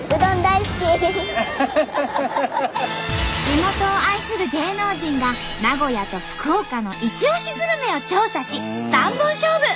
地元を愛する芸能人が名古屋と福岡のいちおしグルメを調査し３本勝負！